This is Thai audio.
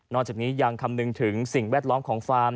จากนี้ยังคำนึงถึงสิ่งแวดล้อมของฟาร์ม